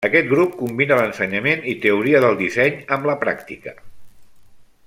Aquest grup combina l'ensenyament i teoria del disseny amb la pràctica.